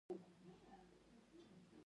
اتفاق او یووالی قومونه بریالي او سرلوړي کوي.